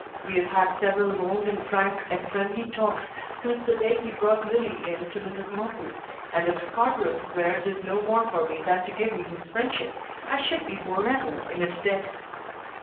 We have had several long and frank and friendly talks since the day he brought Lillie in to Mrs. Mundy, and if Scarborough Square did no more for me than to give me his friendship I should be forever in its debt.